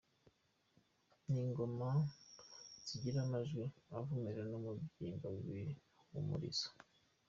Ni ingoma zigira amajwi avumera n’Umubyimba w’Ibihumurizo.